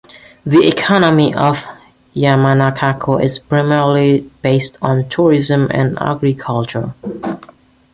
The economy of Yamanakako is primarily based on tourism and agriculture.